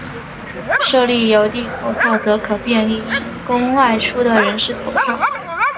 设立邮递投票则可便利因公外出的人士投票。